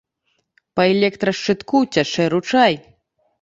Па электрашчытку цячэ ручай.